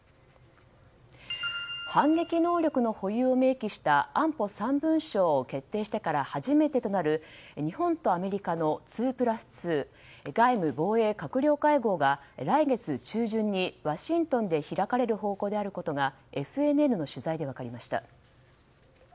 反撃能力の保有を明記した安保３文書を決定してから初めてとなる日本とアメリカの２プラス２外務防衛閣僚会合が来月中旬にワシントンで開かれる方向であることがＦＮＮの取材で分かりました。